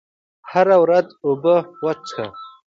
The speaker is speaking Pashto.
هره ورځ اوبه وڅښئ.